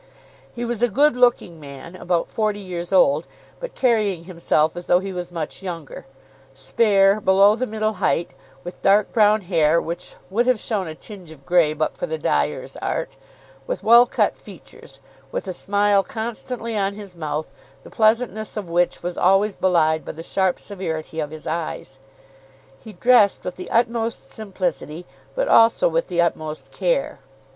He was a good looking man, about forty years old, but carrying himself as though he was much younger, spare, below the middle height, with dark brown hair which would have shown a tinge of grey but for the dyer's art, with well cut features, with a smile constantly on his mouth the pleasantness of which was always belied by the sharp severity of his eyes. He dressed with the utmost simplicity, but also with the utmost care.